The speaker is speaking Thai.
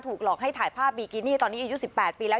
หลอกให้ถ่ายภาพบิกินี่ตอนนี้อายุ๑๘ปีแล้ว